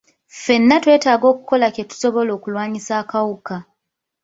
Ffenna twetaaga okukola kye tusobola okulwanyisa akawuka.